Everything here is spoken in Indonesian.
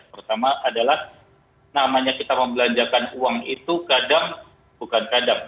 pertama adalah namanya kita membelanjakan uang itu kadang bukan kadang